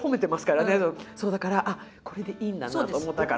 そうだからあっこれでいいんだなと思ったから。